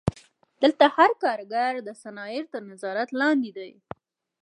دلته هر کارګر د سنایپر تر نظارت لاندې دی